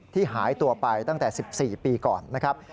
หายตัวไปตั้งแต่๑๔ปีก่อนนะครับ